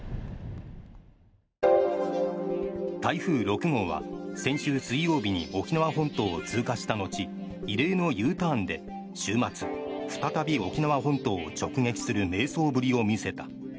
台風６号は先週水曜日に沖縄本島を通過した後異例のＵターンで週末、再び沖縄本島を直撃する迷走ぶりを見せた。